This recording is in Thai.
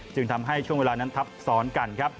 ทำให้ช่วงเวลานั้นทับซ้อนกันครับ